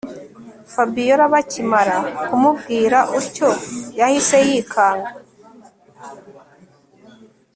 Fabiora bakimara kumubwira utyo yahise yikanga